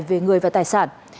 về người và tài sản